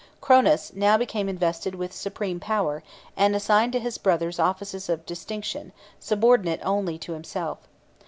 Cronus now became invested with supreme power, and assigned to his brothers offices of distinction, subordinate only to himself.